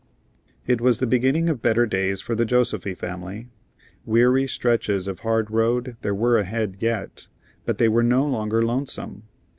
It was the beginning of better days for the Josefy family. Weary stretches of hard road there were ahead yet, but they were no longer lonesome.